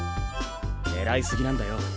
狙いすぎなんだよ。